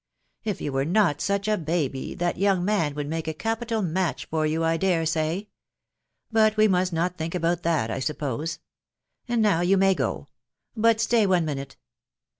If you were not such a baby, that young man would make a capital match for you, I dare say. But we must not think about that, I suppose. •.. And, now you may go ;.... but stay one minute.